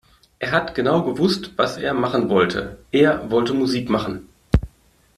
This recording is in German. Er hat genau gewusst, was er machen wollte. Er wollte Musik machen.